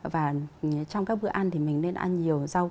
và trong các bữa ăn thì mình nên ăn nhiều rau